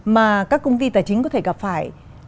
mà các công ty tài chính có thể gặp phải